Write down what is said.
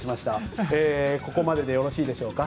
ここまででよろしいでしょうか。